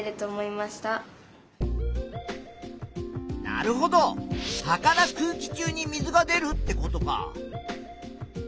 なるほど葉から空気中に水が出るってことか。